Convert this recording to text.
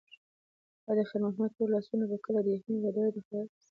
ایا د خیر محمد تور لاسونه به کله د یخنۍ له درده خلاص شي؟